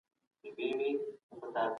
د ټولنې قوانین د علم له خوا کشف سوي وو.